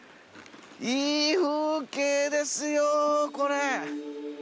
いい風景ですよこれ。